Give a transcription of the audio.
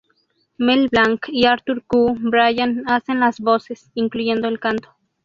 Mel Blanc y Arthur Q. Bryan hacen las voces, incluyendo el canto.